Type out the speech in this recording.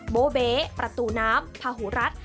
โบเบ๊ประตูน้ำพาหูรัฐ